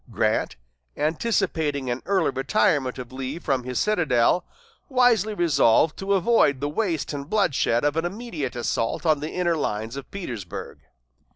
Grant, anticipating an early retirement of Lee from his citadel, wisely resolved to avoid the waste and bloodshed of an immediate assault on the inner lines of Petersburg.